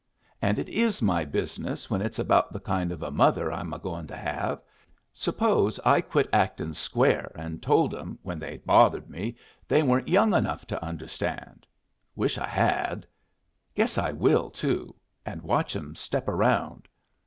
And it is my business when it's about the kind of a mother I'm agoing to have. Suppose I quit acting square, an' told 'em, when they bothered me, they weren't young enough to understand! Wish I had. Guess I will, too, and watch 'em step around."